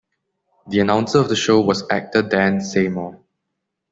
The announcer of the show was actor Dan Seymour.